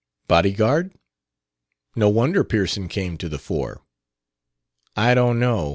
"Body guard? No wonder Pearson came to the fore." "I don't know.